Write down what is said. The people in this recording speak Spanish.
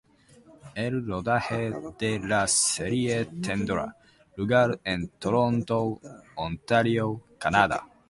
El rodaje de la serie tendrá lugar en Toronto, Ontario, Canadá.